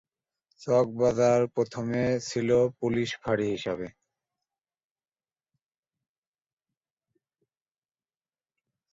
চকবাজার প্রথমে ছিল পুলিশ ফাঁড়ি হিসেবে।